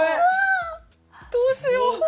どうしよう。